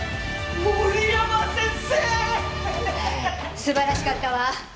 素晴らしかったわ！